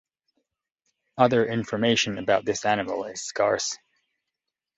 Other information about this animal is scarce.